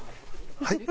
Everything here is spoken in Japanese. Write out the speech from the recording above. はい？